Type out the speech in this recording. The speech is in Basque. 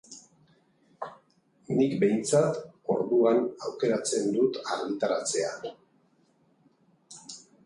Nik behintzat orduan aukeratzen dut argitaratzea.